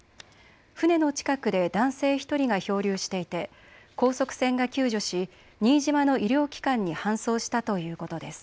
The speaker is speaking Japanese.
船の近くで男性１人が漂流していて高速船が救助し新島の医療機関に搬送したということです。